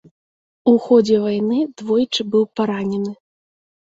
У ходзе вайны двойчы быў паранены.